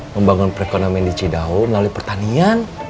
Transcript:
membangun perekonomian di cidahu melalui pertanian